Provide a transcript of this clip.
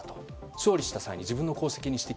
勝利した際に自分の功績にして